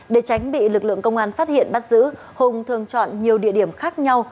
để tránh bị lực lượng công an phát hiện bắt giữ hùng thường chọn nhiều địa điểm khác nhau